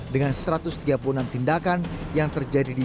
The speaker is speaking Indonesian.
dengan satu ratus tiga puluh enam tindakan yang terjadi di dua ribu delapan belas